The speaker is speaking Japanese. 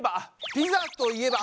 ピザといえば。